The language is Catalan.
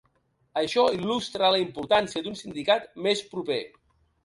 Això il·lustra la importància d'un sindicat més proper.